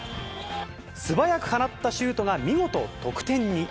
素早く放ったシュートが、見事、得点に。